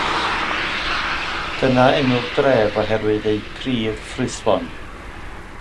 Dyna enw'r dref oherwydd eu pridd ffrwythlon.